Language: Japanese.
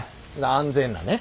安全なね。